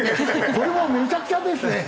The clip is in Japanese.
これはめちゃくちゃですね。